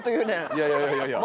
いやいやいやいや！